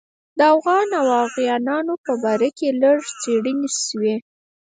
د اوغان او اوغانیانو په باره کې لږ څېړنې شوې.